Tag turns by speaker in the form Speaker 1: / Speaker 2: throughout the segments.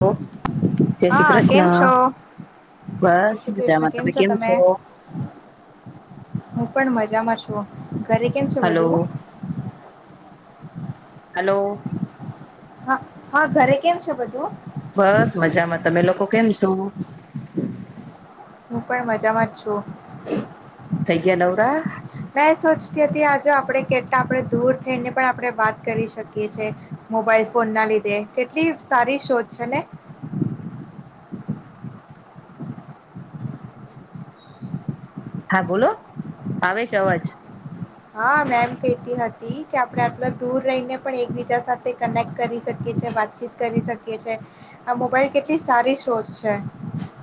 Speaker 1: હ જય શ્રી
Speaker 2: હા કેમ
Speaker 1: કૃષ્ણ,
Speaker 2: છો
Speaker 1: બસ મજામાં તમે કેમ છો?
Speaker 2: તો ઘરે કેમ છે
Speaker 1: હલો
Speaker 2: બધું. [inaudible]
Speaker 1: હલો.
Speaker 2: હા હા ઘરે કેમ છે બધું?
Speaker 1: બસ મજામાં તમે લોકો? કો કેમ છો? તો
Speaker 2: હું પણ મજામાં જ છું
Speaker 1: થઈ ગયા નવરા
Speaker 2: મે સોચતી હતી આજે આપડે કેટલા આપણે દૂર થઈને પણ આપણે વાત કરી શકીએ છે મોબાઈલ ફોન ના લીધે કેટલી સારી શોધ છે ને
Speaker 1: હા બોલો આવે છે અવાજ
Speaker 2: હા, મેમ કહેતી હતી કે આપણે આટલા દૂર રહીને પણ એકબીજા સાથે કનેક્ટ કરી શકીએ છીએ વાતચીત કરી શકીએ છેએ આ મોબાઈલ કેટલી સારી શોધ છે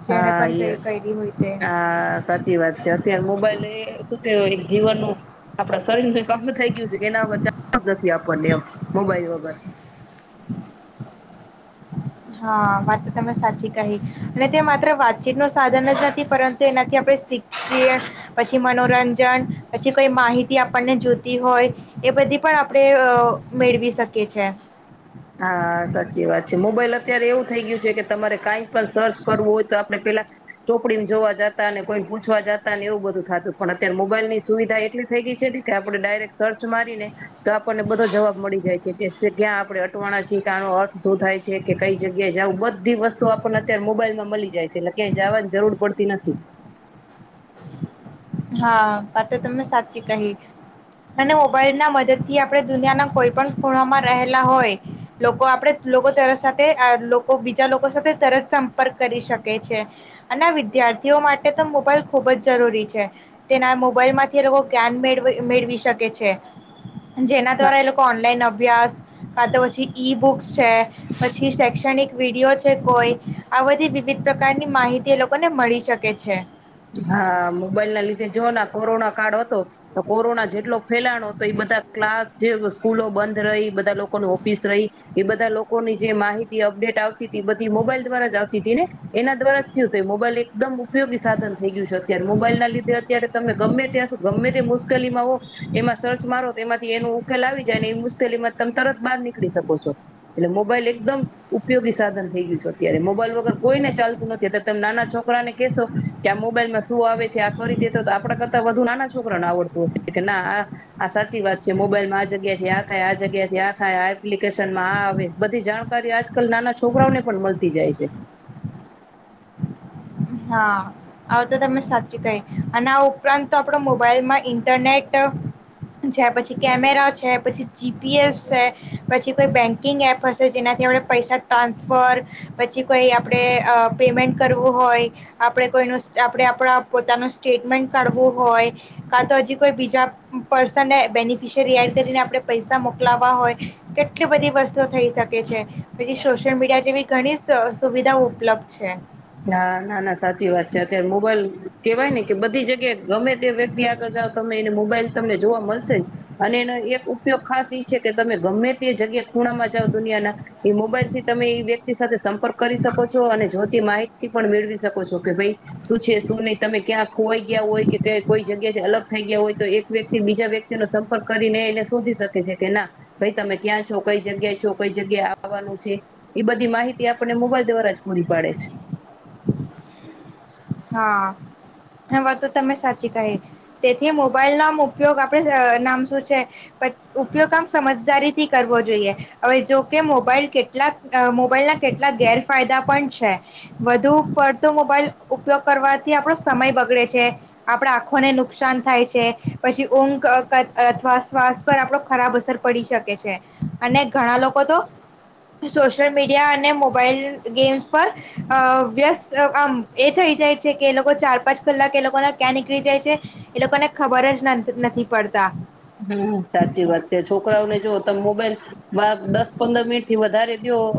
Speaker 2: જેણે
Speaker 1: હા
Speaker 2: પણ
Speaker 1: એ
Speaker 2: કરી કરી હોય તે
Speaker 1: હા સાચી વાત છે અત્યારે મોબાઈલ એ શું કે જીવનનું આપડા શરીર નુ અંગ થઈ ગયું છે એના વગર ચાલે નથી આપણને એમ મોબાઈલ વગર
Speaker 2: હા વાત તો તમે સાચી કહી અને તે માત્ર વાતચીત ન સાધન જ નથી પરંતુ એનાથી આપણે શીખએ પછી મનોરંજન પછી કોઈ માહિતી આપણને જોતી હોય એ બધી પણ આપણે મેળવી શકીએ છે
Speaker 1: હા સાચી વાત છે મોબાઈલ અત્યારે એવું થઈ ગયુ છે કે તમારે કાંઈ સર્ચ કરવું હોય તો આપણે પેલા ચોપડી મ જોવા જતા કોઈ પૂછવા જતા ને એવું બધું થતું પણ અત્યારે મોબાઈલ ની સુવિધા એટલી થઈ ગઈ છે એ કે આપણે ડાયરેક્ટ સર્ચ મારીને તો આપણને બધો જવાબ મળી જાય છે કે એક્ઝેટ ક્યાં આપડે આનો અર્થ શું થાય છે કે કઈ જગ્યાએ જવું બધી વસ્તુ આપણને અત્યારે મોબાઈલ માં મળી જાય છે એટલે ક્યા જવાની જરૂર પડતી નથી
Speaker 2: હા, વાત તમને સાચી કહી અને મોબાઈલ ના મદદ થી આપણે દુનિયાના કોઈ પણ ખૂણામાં રહેલા હોય લોકો આપણે લોકો તરત સાથે લોકો બીજા લોકો સાથે તરત સંપર્ક કરી શકે છે અને વિદ્યાર્થીઓ માટે તો મોબાઈલ ખૂબ જ જરૂરી છે તેના મોબાઈલ માંથી લોકો જ્ઞાન મેળ મેળવી શકે છે જેના
Speaker 1: હા
Speaker 2: દ્વારા એ લોકો ઓનલાઈન અભ્યાસ, કા તો પછી ઈ બુકસ છે પછી શૈક્ષણિક વિડીિયો છે કોઈ આ બધી વિવિધ પ્રકારની માહિતી એ લોકોને મળી શકે છે
Speaker 1: હા મોબાઈલ ના જો ના કોરોના કાળ હતો તો કોરોના જેટલો ફેલાણ હતો એ બધા ક્લાસ જે સ્કૂલો બંધ રહી બધા લોકો ન ઓફિસ રહી એ બધા લોકોની જે માહિતી અપડેટ આવતી હતી એ બધી મોબાઈલ દ્વારા જ આવતી હતી ને એના દ્વારા થયું થય મોબાઈલ એકદમ ઉપયોગી સાધન અત્યારે મોબાઈલ ના લીધે અત્યારે તમે ગમે ત્યાં ગમે તે મુશ્કેલી માં હો એમાં સર્ચ મારો તો એમાંથી એનો ઉકેલ આવી જાય ને એ મુશ્કેલી માં તમે તરત બહાર નીકળી શકો છો એટલે મોબાઈલ એકદમ ઉપયોગી સાધન થઈ ગયું છે અત્યારે મોબાઈલ વગર કોઈને ચાલતું નથી અત્યારે તમે નાના છોકરા ને કહેશો. કે આ મોબાઈલમાં શું આવે છે આ કરી દેતો તો આપડ કરતાં વધુ નાના છોકરાઓને આવડતું હશે કે ના આ આ સાચી વાત છે મોબાઈલમાં આ જગ્યાથી આ થાય આ જગ્યાથી આ થાય આ એપ્લિકેશનમાં આ આવે બધી જાણકારી આજકાલ નાના છોકરાઓને પણ મળતી જાય છે
Speaker 2: હા આવ તો તમે સાચી કહી અને આ ઉપરાંત તો આપણ મોબાઈલમાં ઇન્ટરનેટ છે પછી કેમેરા છે પછી જીપીએસ છે પછી કોઈ બેંકિંગ એપ હશે જેનાથી આપણે પૈસા ટ્રાન્સફર પછી કોઈ આપણે પેમેન્ટ કરવું હોય. આપે કોઈ આપણે આપ પોતાનું સ્ટેટમેન્ટ કાઢવું હોય કા તો હજી કોઈ બીજા પર્સન બેનિફિયરી કરીને આપણે પૈસા મોકલાવા હોય કેટલી બધી વસ્તુ થઈ શકે છે પછી સોશિયલ મીડિયા જેવી ઘણી સુવિધાઓ ઉપલબ્ધ છે.
Speaker 1: હા, ના, ના સાચી વાત છે અત્યારે મોબાઈલ કેવાય ને કે બધી જગ્યાએ ગમે તે વ્યક્તિ આગળ જાઓ તમે એને મોબાઈલ તમને જોવા મળશે અને એનો એક ઉપયોગ ખાસ ઈ છે કે તમે ગમે તે જગ્યાએ પૂણા મજાઓ દુનિયા ના એ મોબાઈલ થી તમે એ વ્યક્તિ સાથે સં કરી શકો છો અને જો તે મા પણ મેળવી શકો છો કે ભાઈ શું છે શું નહી તમે ક્યાં ખોવાઈ ગયા હોય કે કોઈ જગ્યાથી અલગ થઈ ગયા હોય તો એક વ્યક્તિ બીજા વ્યક્તિ ન સંપર્ક કરીને એને શોધી શકે છે કે ના ભાઈ તમે ક્યાં છો કઈ જગ્યાએ છો કઈ જગ્યાએ આવવાનું છે એ બધી માહિતી આપને મોબાઈલ દ્વારા જ પૂરી પાડે છે
Speaker 2: હા, આ વાત તો તમે સાચી કહી તેથી મોબાઈલનો આમ ઉપયોગ આપણે નામ શું છે ઉપયોગ આમ સમજદારી થી કરવો જોઈએ, હવે જોકે મોબાઈલ કેટલા મોબાઈલ ના કેટલા ગેરફાયદા પણ છે વધુ પડતો મોબાઈલ ઉપયોગ કરવાથી આપણો સમય બગડે છે, આપણા આંખોને નુકસાન થાય છે, પછી ઊંઘ અથવા શ્વાસ પર આપણો ખરાબ અસર પડી શકે છે, અને ઘણા લોકો તો સોશિયલ મીડિયા અને મોબાઈલ ગેમ્સ પર વ્યસ્ત આમ એ થઈ જાય છે, કે એ લોકો ચાર, પાંચ કલાક એ લોકોને ક્યાં નીકળી જાય છે એ લોકોને ખબર જ નથી પડતા
Speaker 1: હમ સાચી વાત છે છોકરાઓને જો તમે મોબાઈલ હા બા દસ પંદર મિનિટ થી વધારે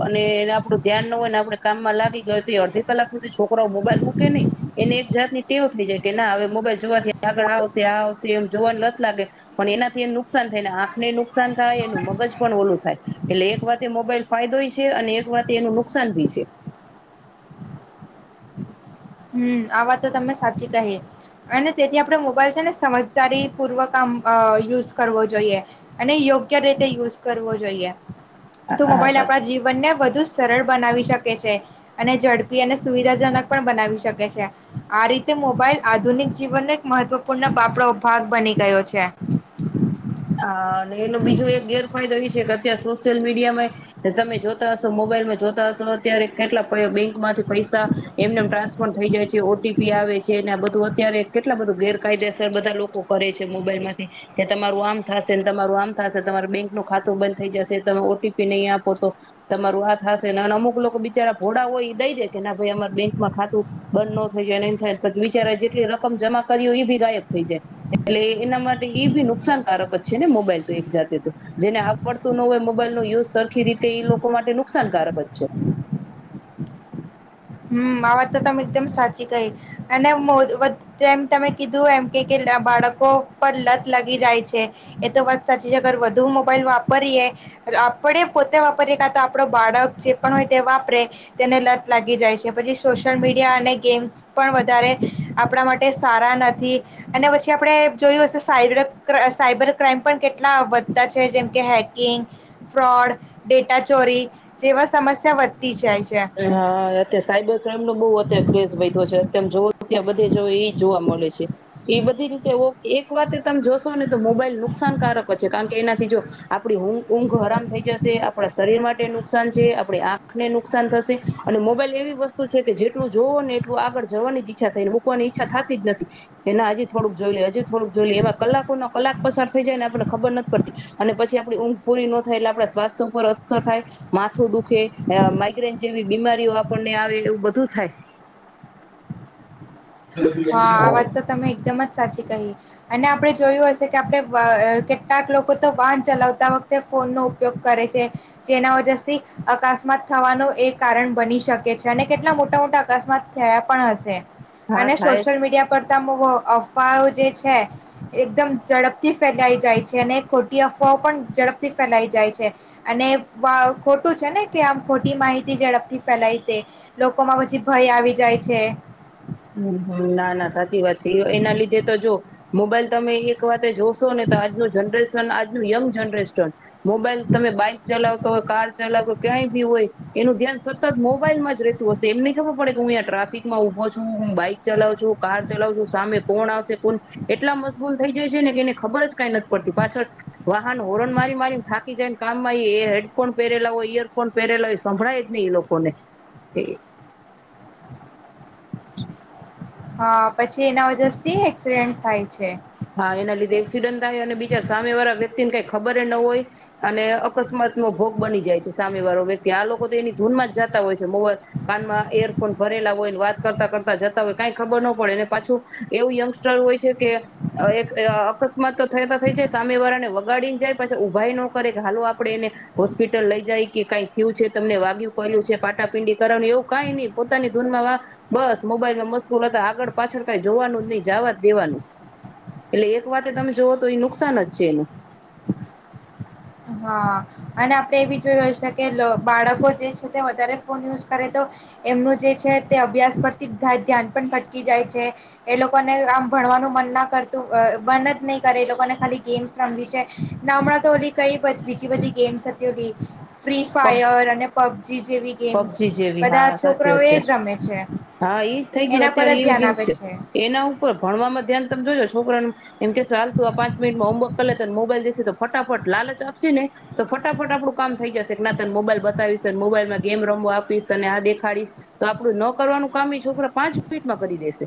Speaker 1: અને એને આપડું ધ્યાન ન હોય ને આપડણે કામમાં લાગી ગય અડધી કલાક સુધી છોકરાઓ મોબાઈલ મૂકે નહી, એને એક જાત ટેવો થઈ જાય કે ના હવે મોબાઈલ જોવાથી આગળ આવશે આ આવશે એમ જોવાનું નથી લાગે. પણ એનાથી એમ નુકસાન થાય આખને નુકસાન થાય એનું મગજ પણ ઓલું થાય. એટલે એક વાત મોબાઈલ ફાયદો છે અને એક વાતે એનું નુકસાન ભી છે.
Speaker 2: હમ આ વાત તો તમને સાચી કહી, અને તેથી આપણે મોબાઈલ છે ને સમજદારી પૂર્વક આમ યુઝ કરવો જોઈએ, અને યોગ્ય રીતે યુઝ કરવો જોઈએ. તો
Speaker 1: હા
Speaker 2: મોબાઈલ
Speaker 1: સાચી
Speaker 2: આપણા જીવન ને બધુ સરળ બનાવી શકે છે, અને ઝડપી અને સુવિધાજનક પણ બનાવી શકે. આ રીતે મોબાઈલ આધુનિક જીવનનો એક મહત્વપૂર્ણ બાપો ભાગ બની ગયો છે.
Speaker 1: હા. અને એનો બીજો એક ગેરફાયદો એ કે અત્યારે સોશિયલ મીડિયામાં, તમે જોતા હશો મોબાઈલમાં જોતા હશો અત્યારે કેટલા બેંકમાંથી પૈસા, એમનેમ ટ્રાન્સફર થઈ જાય છે ઓ ટી પી આવે છે ને આ બધું અત્યારે કેટલા બધું ગેરકાયદેસર બધા લોકો કરે છે મોબાઈલમાંથી, કે તમારું આમ થશેને તમારું આમ થશે તમાર બેંક નું ખાતું બંધ થઈ જશે તમે ઓ ટી પી નહી આપો તો, તમારું આ થશે ને અને અમુક લોકો બિચારા ભોડા હોય એ દઈ દે કે ના ભાઈ અમારે બેંકમાં ખાતું, બંધ ન થઈ જાય નહી થાય પણ બિચારા જેટલી રકમ જમા કરી હો એ બી ગાયબ થઈ જાય, એટલે એના માટે બી નુકસાનકારક છે ને મોબાઈલ તો એક જાતે, જેને આવડતું ન હોય મોબાઈલ ન યુઝ સરખી રીતે એ લોકો માટે નુકસાનકારક જ છે.
Speaker 2: હમ આ વાત તો તમે એકદમ સાચી કહી, અને જે તમે કીધું એમ કે બાળકો પર લત લાગી જાય છે, એ તો વાત સાચી છે અગર વધુ મોબાઈલ વાપરીએ, આપડે પોતે વાપરીએ કા તો આપડ બાળક જે પણ હોય તે વાપરે, તેને લત લાગી જાય છે. જે પછી સોશિયલ મીડિયા અને ગેમ્સ પણ વધારે, આપણા માટે સારા નથી, અને પછી આપણે જોયું હશે સાયબર્ર સાયબર ક્રાાઈમ પણ કેટલા વધતા છે જેમકે હેકિંગ, ફ્રોડ ડેટા ચોરી જેવા સમસ્યા વધ
Speaker 1: હા. સાયબર ક્રાઈમ નો બહુ અત્યારે ક્રેઝ બધો છે. જોવ ત્યાં બધે જવ એ જોવા મળે છે, એ બધી રીતે એક વાત તમે જોશો ને તો મોબાઈલ નુકસાનકારક જ છે કારણ કે એનાથી જો, આપણી ઊંઘ ઊંઘ હરામ થઈ જશે આપણા શરીર માટે નુકસાન છે આપણી આંખને નુકાન થશે, અને મોબાઈલ એવી વસ્તુ છે કે જેટલું જોવો ને એટલું આગળ જવાની જ ઈચ્છા થઈને મૂકવાની ઈચ્છા થતી જ નથી, એના હજી થોડુંક જોઈ લે હજી થોડુંક જોઈ લે એવા કલાકો ના કલાક પસાર થઈ જાય ને આપણને ખબર નથી પડતી, અને પછી આપણી ઊંઘ પૂરી ન થાય એટલે આપણા સ્વાસ્થ્ય ઉપર અસર થાય, માથું દુખે. જેવી બીમારીઓ આપને આવે એવું બધું થાય.
Speaker 2: હા આ વાત તો તમે એકદમ જ સાચી કહી, અને આપણે જોયું હશે કે આપણે કેટલાક લોકો તો વાહન ચલાવતા વખતે ફોનનો ઉપયોગ કરે છે, જેના વજથી અકસ્માત થવાનું એ કારણ બની શકે છે અને કેટલા મોટા મોટા અકસ્માત થયા પણ હશે.
Speaker 1: હા થાય. જ
Speaker 2: સોશલ મીડિયા પર અફવાઓ જે છે, એકદમ ઝડપથી ફેલાઈ જાય છે, અને ખોટી અફવાઓ પણ ઝડપથી ફેલાઈ જાય છે, અને ખોટું છે ને કે આમ ખોટી માહિતી ઝડપથી ફેલાય તે, લોકોમાં પછી ભય આવી જાય છે.
Speaker 1: હ ના ના સાચી વાત છે એના લીધે તો જો, મોબાઈલ તમે એક વાતે જો ને તો આજનું જનરેશન આજ યંગ જનરેશન મોબાઈલ તમે બાઈક ચલાવ કાર ચાલકો ક્યાંય બી હોય એનું ધ્યાન સતત મોબાઈલ જ ર રહેતું હશે એમને ખબરડે કે હુંં ટ્રાફિક માં ઉભો છું. હું બાઈક ચલાવ છું કાર ચલાવ છું સામે કોણ આવશે કોણ એટલા મશબૂલ થઈ જાય છે ને કે એને ખબર જ કઈ નથી પડતી પાછળ વાહન હોર્ન મારી મારીને થાકી જાય ને કામ હેડફોન પહેરેલા હોય ઈયરફોન પહેરેલા હો એ સંભળાય જ નહી એ લોકોને.
Speaker 2: હા પછી એના વજરથી એક્સિડેન્ટ થાય છે.
Speaker 1: હા એના લીધે એક્સિડન્ટ થાય અને બીજા સામે વાળા વ્યક્તિને કઈ ખબર ન હોય, અને અકસ્માત નો ભોગ બની જાય છે સામે વાળો વ્યક્તિ આ લોકો તો એની ધૂનમાં જતા હોય છે મોબાઈલ કનમાં યરફોન ભરેલા હોય વાત કરતા કરતા જતા હોય કઈ ખબર ન પડે એ પાછું એવું યંગસ્ટર હોય છે કે એક અકસ્માત તો થયાતા થઈ જાય સામે વાળાને વગાડી ને જાય પછી ઉભાાઈ ન કરે કે હાલો આપડે એને, હોસ્પિટલ લઈ જાય કે કઈ થયું છે તમને વાગય્યું કલું છે પાટાપીંડી કરવાનું એવું કઈ નહી, પોતાની ધૂનમાં બસ મોબાઈલમાં મશકૂલ હતા આગળ પાછળ કઈ જોવાનું જ નહી જવા જ દેવાનું. એટલે એક વાતે તમે જોવો તો એ નુકસાન જ છે એનું.
Speaker 2: હા અને આપણે એ બી જોયું હશે કે બાળકો જે છે તે વધારે ફોન યુઝ કરે તો, એમનું જે છે તે અભ્યાસ પરથી ધ્યાન પણ ભટકી જાય છે, એ લોકોને આમ ભણવાનું મન ના કરતું મન જ નહીં કરે એ લોકોને ખાલી ગેમ્સ રમી છે, ના હમણાં તો ઓલી કઈ બીજી બધી ગેમ્સ હતી ફ્રી ફાયર અને જેવી ગેમ્સ
Speaker 1: પબજી જેવી
Speaker 2: બધા
Speaker 1: હા
Speaker 2: છોકરાઓ
Speaker 1: સાચીત
Speaker 2: એ
Speaker 1: છે,
Speaker 2: જ રમે છે
Speaker 1: હા એજ થઈ ગયું
Speaker 2: એના પર
Speaker 1: અત્યારે
Speaker 2: જ
Speaker 1: એ
Speaker 2: ધ્યાન
Speaker 1: ગેમ
Speaker 2: આપે
Speaker 1: છે, એના ઉપર ભણમાં ધ્યાન તમે જોજો છોકરાનું એમ કેહેશ હાલ તું આ પાંચ મિનિટમાં હોમવર્ક કર લે અને મોબાઈલ જશે તો ફટાફટ લાલચ આપશે ને, તો ફટાફટ આપડું કામ થઈ જશે. ના ત મોબાઈલ બતાવીશને મોબાઈલમાં ગેમ રમવો આપીશ તને આ દેખાડીશ, તો આપડું ન કરવાનું કામ છોકરા પાંચ મિનિટમાં કરી દેશે.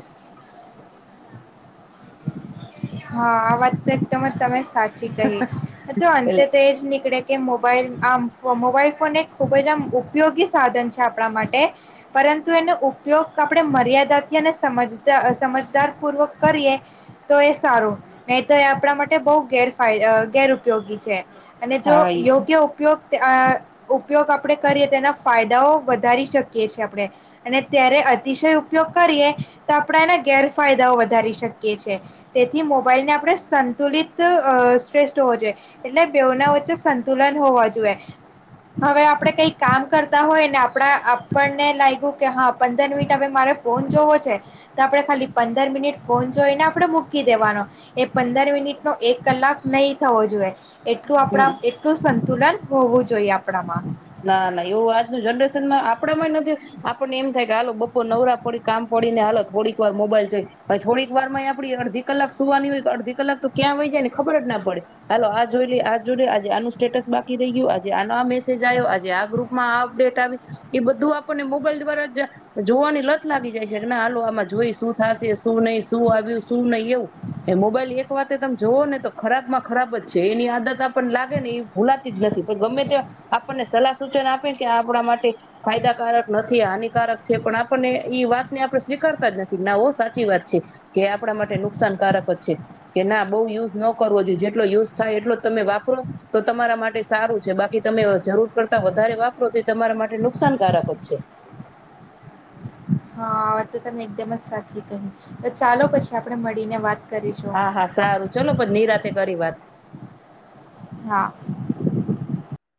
Speaker 2: હા આ વાત તો એકદમ જ તમે સાચી કહી, તો અંતે તો જ નીકળે કે મોબાઈલ આમ મોબાઈલ ફોન એ ખૂબ જ આમ ઉપયોગી સાધન છે આપણા માટે, પરંતુ એનો ઉપયોગ આપણે મર્યાદાથી અને સમજદ સમજદાર પૂર્વક કરીએ, તો એ સારું, નહી તો એ આપણા માટે બહ ગેરાય ગેર ઉપયોગી છે. અને જો
Speaker 1: હા
Speaker 2: યોગ્ય ઉપયોગ ઉપયોગ આપણે કરીએ તે એના ફાયદાઓ વધારી શકીએ છેએ આપણે, અને ત્યારે અતિશય ઉપયોગ કરીએ તો આપણે એના ગેરફાયદાઓ વધારી શકીએ છે. તેથી મોબાઈલને આપણે સંતુલિત શ્રેષ્ઠ હોવ જોઈએ, એટલે બેના વચ્ચે સંતુલન હોવા જોઈએ. હવે આપડણે કઈ કામ કરતા હોય ને આપડા આપણને લાગ્યું કે હા પંદર મિનિટ હવે મારે ફોન જોવો છે, તો આપડણે ખાલી પંદર મિનિટ ફોન જોઈને આપડ દેવાનો, એ પંદર મિનિટ નો એક કલાક નહી થવો જોઈએ. એટલું આપણા એટલું સંતુલન હોવું જોઈએ આપ
Speaker 1: ના ના એવું આજનું જનરેશનમાં આપડા માં નથી ને એમ થાય કે હાલો બપો નવરા પડી કામ ફડી ને હાલો થોડીક વાર મોબાઈલ જઈ, ભ થોડીક વાર આપ અડધી કલાક સુવાની હોય અડધી કલાક તો ક્યાં વય જાય ને ખબર જ ના પડે, હાલો આ જોઈ લે આ જોઈ લે આજે આનું સ્ટેટસ બાકી રહી ગયું આજે આ મે આજે આ ગ્રુપમાં આ અપડેટ આવી, એ બધું આપણને મોબાઈલ દ્વારા જોવાની લત લાગી જાય છે કે ના હાલ આમાં જોઈ શું થશે શું નહી શું આવ્યું શું નહી એવું, મોબાઈલ એક વાતે તમે જોવો ને તો ખરાબ માં ખરાબ જ છે એની આદત આપણને લાગે ને એ ભૂલાતી જ નથી પણ ગમે ત્યા આપણને સલાહ સૂચન આપેને કે આપણા માટે ફાયદાકારક નથી હાનિકારક છે પણ આપણને એઈ વાતને આપણે સ્વીકારતા જ નથી ના ઓ સાચી વાત છે કે આપણા માટે નુકસાનકારક જ છે કે ના બહુ યુઝ ન કરવો જોઈએ જેટલો યુઝ થાય એટલો તમે વાપરો તો તમારા માટે સારું છે બાકી તમે જરૂર કરતા વધારે વાપરો તો તમારા માટે નુકસાનકારક જ છે.
Speaker 2: હા આ વાત તો તમે એકદમ જ સાચી કહી, તો ચાલો પછી આપણે મળીને વાત કરીશું
Speaker 1: હા હા સારું ચલો પ નિરાતે કરી વાત.
Speaker 2: હા.